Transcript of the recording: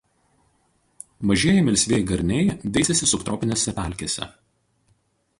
Mažieji melsvieji garniai veisiasi subtropinėse pelkėse.